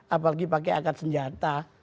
apalagi pakai akat senjata